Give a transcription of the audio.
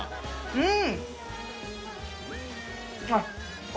うん！